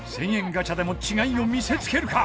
ガチャでも違いを見せつけるか？